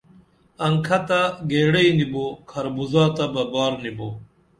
انکھہ تہ گیڑئی نی بو کھربُزا تہ بہ بار نی بو